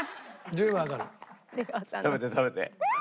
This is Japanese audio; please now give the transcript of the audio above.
食べて食べて。